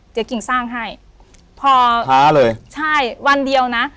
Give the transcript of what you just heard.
เดี๋ยวกิ่งสร้างให้พอพาเลยใช่วันเดียวนะ